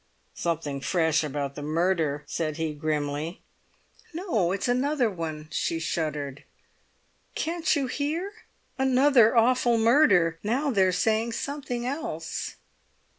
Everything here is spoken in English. "Something fresh about the murder," said he grimly. "No; it's another one," she shuddered. "Can't you hear? 'Another awful murder!' Now they're saying something else."